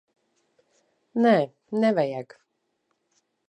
Nē, nevajag.